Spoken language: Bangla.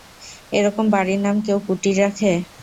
এরকম বাড়ির নাম কেউ কুটির রাখে?